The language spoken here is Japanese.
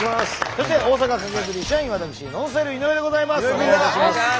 そして大阪カケズリ社員私ＮＯＮＳＴＹＬＥ井上でございます。